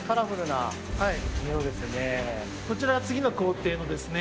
こちらは次の工程のですね